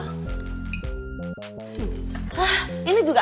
hah ini juga